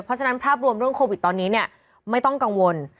เพราะฉะนั้นภาพรวมเรื่องโควิดตอนนี้เนี่ยไม่ต้องกังวล